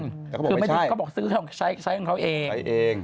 แต่เขาบอกไม่ใช่เขาบอกซื้อของเขาใช้ของเขาเอง